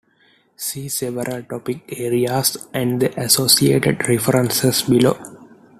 See several topic areas, and the associated references, below.